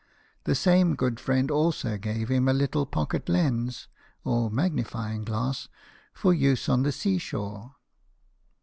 The same good friend also gave him a little pocket lens (or magnifying glass) for use on the sea shore.